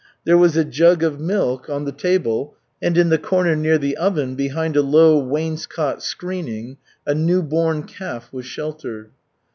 There was a jug of milk on the table, and in the corner near the oven, behind a low wainscot screening, a new born calf was sheltered.